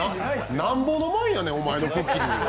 なんぼのもんやねん、お前のクッキング。